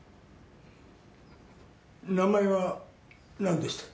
名前はなんでしたっけ？